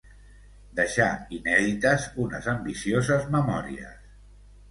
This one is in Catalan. Deixà inèdites unes ambicioses memòries.